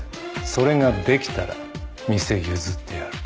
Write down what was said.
それができたら店譲ってやる。